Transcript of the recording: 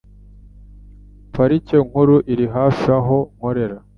Parike Nkuru iri hafi aho nkorera.